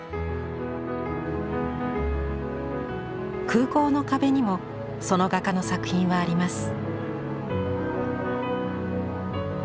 空港の壁にもその画家の作品はあります。